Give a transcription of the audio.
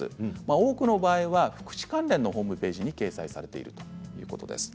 多くの場合は福祉関連のホームページに掲載されているということです。